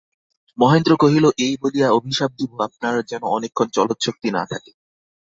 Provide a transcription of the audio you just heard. মহেন্দ্র কহিল, এই বলিয়া অভিশাপ দিব, আপনার যেন অনেকক্ষণ চলৎশক্তি না থাকে।